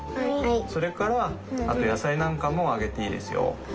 それからあとやさいなんかもあげていいですよ。